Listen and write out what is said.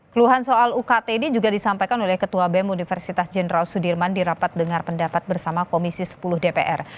keluhan soal ukt ini juga disampaikan oleh ketua bem universitas jenderal sudirman di rapat dengar pendapat bersama komisi sepuluh dpr